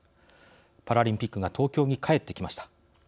パラリンピックが東京に帰ってきました。